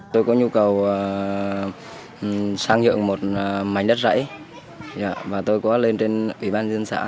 tôi có nhu cầu sang nhượng một mảnh đất rẫy và tôi có lên trên ủy ban dân xã